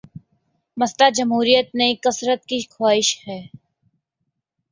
مسئلہ جمہوریت نہیں، کثرت کی خواہش ہے۔